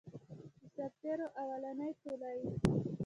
د سرتیرو اولنی ټولۍ.